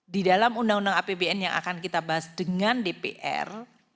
di dalam undang undang apbn yang akan kita bahas dengan dpr